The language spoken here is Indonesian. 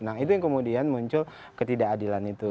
nah itu yang kemudian muncul ketidakadilan itu